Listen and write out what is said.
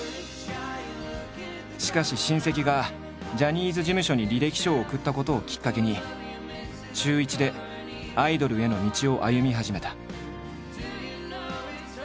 しかし親戚がジャニーズ事務所に履歴書を送ったことをきっかけに中１でアイドルへの道を歩み始めた。